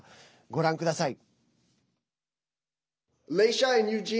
ご覧ください。